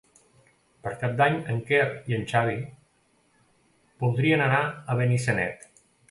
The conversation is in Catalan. Per Cap d'Any en Quer i en Xavi voldrien anar a Benissanet.